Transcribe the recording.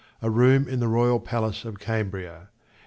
A room in the royal palace of Cambria.